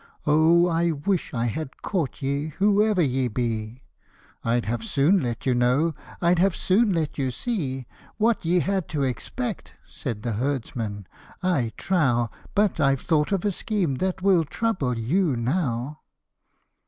" O, I wish I had caught ye, whoever ye be, I'd have soon let you know, I'd have soon let you see, What ye had to expect/' said the herdsman, " I trow ; But I've thought of a scheme that will trouble you now.'